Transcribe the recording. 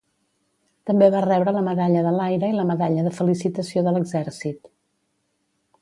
També va rebre la medalla de l'Aire i la medalla de felicitació de l'Exèrcit.